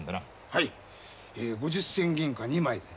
はい５０銭銀貨２枚で。